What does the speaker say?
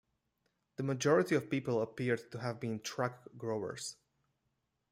The majority of people appeared to have been truck growers.